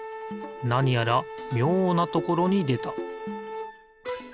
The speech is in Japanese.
なにやらみょうなところにでた。